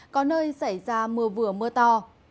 có nơi xảy ra mưa vừa mưa to